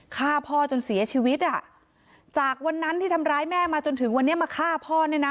ฆ่าพ่อจนเสียชีวิตอ่ะจากวันนั้นที่ทำร้ายแม่มาจนถึงวันนี้มาฆ่าพ่อเนี่ยนะ